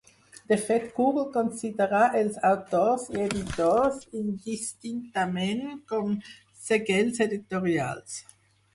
De fet, Google considera els autors i editors indistintament com segells editorials.